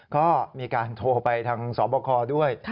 ก็มีการโทรไปทางสบคด้วย